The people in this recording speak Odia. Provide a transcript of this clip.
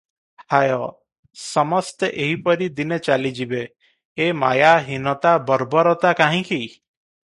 ହାୟ! ସମସ୍ତେ ଏହିପରି ଦିନେ ଚାଲିଯିବେ- ଏମାୟା, ହୀନତା, ବର୍ବରତା କାହିଁକି?